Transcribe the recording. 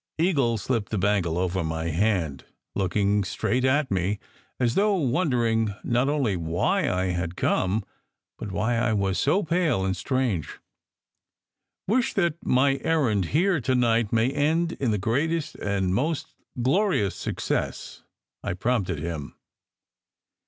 Eagle slipped the bangle over my hand, looking straight at me, as though wondering not only why I had come, but why I was so pale and strange. "Wish that my errand here to night may end in the greatest and most glorious success," I prompted him.